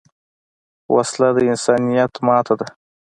وسله د انسانیت ماتې ده